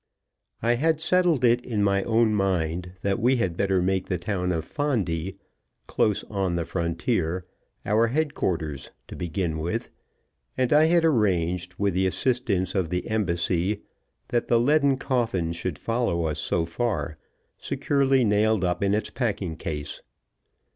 I HAD settled it in my own mind that we had better make the town of Fondi, close on the frontier, our headquarters, to begin with, and I had arranged, with the assistance of the embassy, that the leaden coffin should follow us so far, securely nailed up in its packing case.